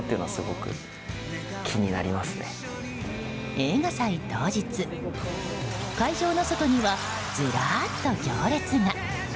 映画祭当日会場の外にはずらっと行列が。